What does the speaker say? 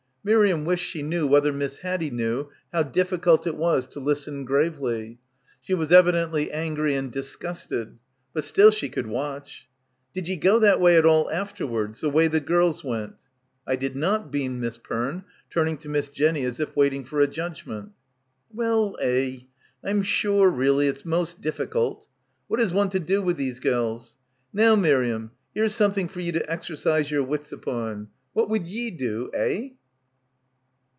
Miriam wished she knew whether Miss Haddie knew how difficult it was to listen gravely. She was evidently angry and disgusted. But still she could watch. "Did ye go that way at all afterwards — the way the girls went?" "I did not," beamed Miss Perne, turning to Miss Jenny as if waiting for a judgment. "Well, eh, I'm sure, really, it's most diffikilt. What is one to do with these gels? Now, Mir* iam, here's something for you to exercise your wits upon. What would ye do, eh?"